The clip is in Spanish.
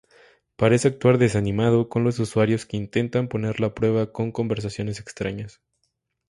Parece actuar desanimado con los usuarios que intentan ponerle a prueba con conversaciones extrañas.